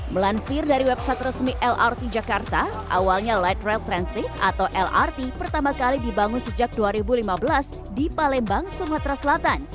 melansir dari website resmi lrt jakarta awalnya light rail transit atau lrt pertama kali dibangun sejak dua ribu lima belas di palembang sumatera selatan